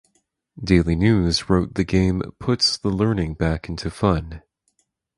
Daily News wrote the game "puts the learning back into fun".